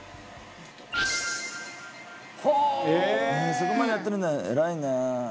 「そこまでやってるんだ偉いね」